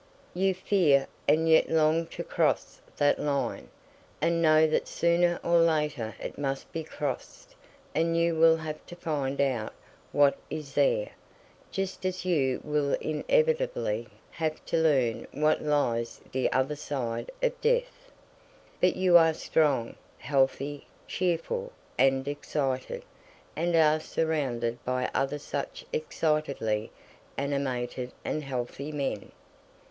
You fear and yet long to cross that line, and know that sooner or later it must be crossed and you will have to find out what is there, just as you will inevitably have to learn what lies the other side of death. But you are strong, healthy, cheerful, and excited, and are surrounded by other such excitedly animated and healthy men."